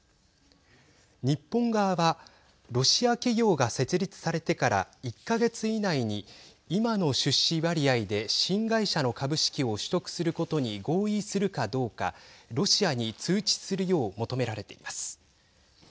日本側はロシア企業が設立されてから１か月以内に今の出資割合で新会社の株式を取得することに合意するかどうかロシアに通知するよう求められています。